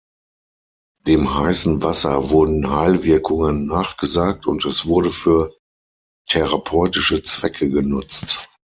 Dem heißen Wasser wurden Heilwirkungen nachgesagt und es wurde für therapeutische Zwecke genutzt.